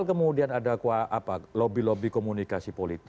kemudian ada lobby lobby komunikasi politik